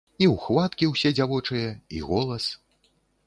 І ўхваткі ўсе дзявочыя, й голас.